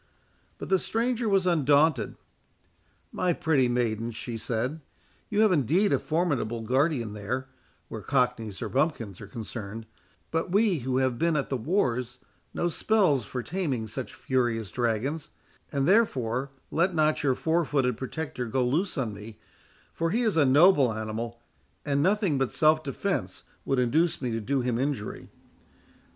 But the stranger was undaunted. "My pretty maiden," she said, "you have indeed a formidable guardian there, where cockneys or bumpkins are concerned; but we who have been at the wars know spells for taming such furious dragons; and therefore let not your four footed protector go loose on me, for he is a noble animal, and nothing but self defence would induce me to do him injury."